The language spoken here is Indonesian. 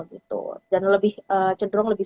gitu dan lebih cenderung lebih